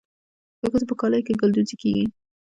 د ښځو په کالیو کې ګلدوزي کیږي.